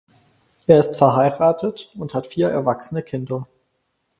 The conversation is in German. Er ist verheiratet und hat vier erwachsene Kinder.